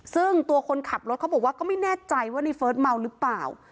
ซึ่งตัวคนขับรถเขาบอกว่าก็ไม่แน่ใจว่าในเฟิร์สเมาหรือเปล่า